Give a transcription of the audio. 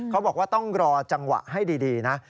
เขาบอกว่าต้องรอจังหวะให้ดีนะ